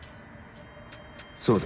そうだ。